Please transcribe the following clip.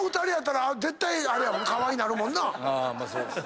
まあそうですね。